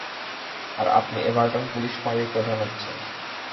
আর আপনি Everton police ফাঁড়ির প্রধান হচ্ছেন?